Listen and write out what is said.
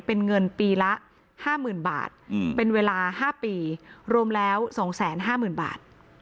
เป็นเงินปีละห้าหมื่นบาทอืมเป็นเวลาห้าปีรวมแล้วสองแสนห้าหมื่นบาท